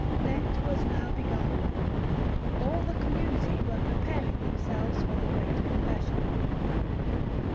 'Lent was now begun,—all the community were preparing themselves for the great confession.